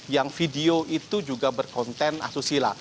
yang video itu juga berkonten asusila